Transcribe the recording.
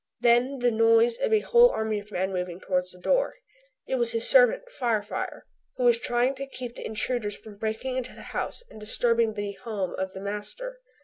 Then the noise of a whole army of men moving towards his door. It was his servant Fire Fire, who was trying to keep the intruders from breaking, into the house and disturbing the "home" of the master.